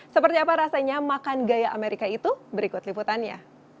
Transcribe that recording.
seperti apa rasanya makan gaya amerika itu berikut liputannya